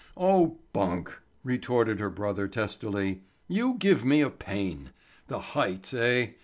"Oh, bunk," retorted her brother testily. "You give me a pain. The heights, eh?